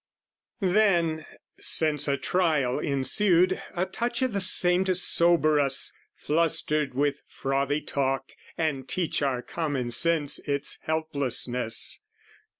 Then, since a Trial ensued, a touch o' the same To sober us, flustered with frothy talk, And teach our common sense its helplessness.